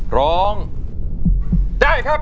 ร้องได้ครับ